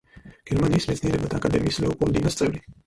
გერმანიის მეცნიერებათა აკადემიის „ლეოპოლდინას“ წევრი.